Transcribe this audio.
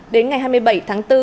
đến ngày hai mươi bảy tháng bốn